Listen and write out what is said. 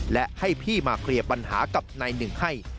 และให้พี่มาเคลียร์ปัญหากับนายหนึ่งให้